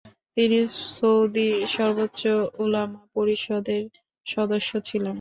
তিনি সৌদি সর্বোচ্চ উলামা পরিষদ-এর সদস্য ছিলেন।